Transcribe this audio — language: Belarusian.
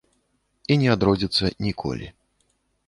І не адродзіцца ніколі.